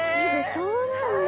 そうなんだ。